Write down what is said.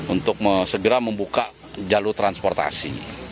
untuk segera membuka jalur transportasi